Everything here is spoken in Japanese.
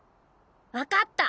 分かった！